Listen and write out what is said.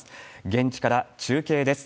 現地から中継です。